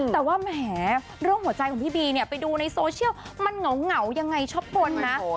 แต่ว่าแหมเรื่องหัวใจของพี่บีเนี่ยไปดูในโซเชียลมันเหงายังไงชอบปนนะ